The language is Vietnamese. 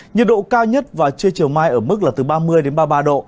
nhiệt độ cao nhất và trưa chiều mai ở mức là từ ba mươi đến ba mươi ba độ